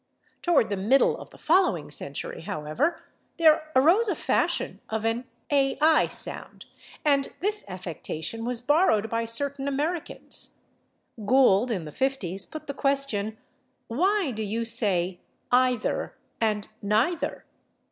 Toward the middle of the following century, however, there arose a fashion of an /ai/ sound, and this affectation was borrowed by certain Americans. Gould, in the 50's, put the question, "Why do you say /i/ ther and /ni/ ther?"